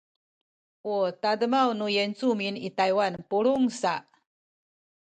u tademaw nu Yincumin i Taywan pulungen sa